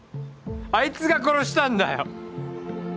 あいつが殺したんだよ。